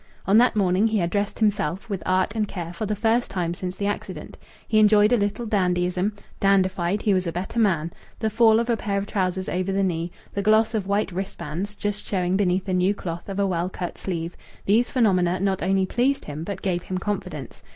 On that morning he had dressed himself with art and care for the first time since the accident. He enjoyed a little dandyism; dandified, he was a better man; the "fall" of a pair of trousers over the knee, the gloss of white wristbands, just showing beneath the new cloth of a well cut sleeve these phenomena not only pleased him but gave him confidence.